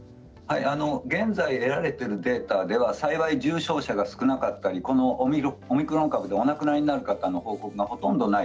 現在得られているデータでは幸い、重症者が少なかったりこのオミクロン株でお亡くなりになる方の報告がほとんどない。